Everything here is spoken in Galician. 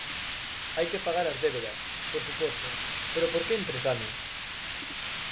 Hai que pagar as débedas, por suposto, pero por que en tres anos?